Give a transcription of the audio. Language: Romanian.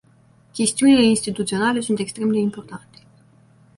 Chestiunile instituționale sunt extrem de importante.